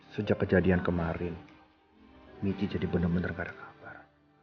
sejak kejadian kemarin michi jadi bener bener gak ada kabar